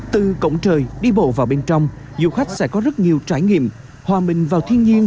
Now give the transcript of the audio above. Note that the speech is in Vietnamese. từ cổng trời đi bộ vào bên trong du khách sẽ có rất nhiều trải nghiệm hòa mình vào thiên nhiên